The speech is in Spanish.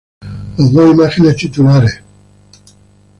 Las dos imágenes titulares, Ntra.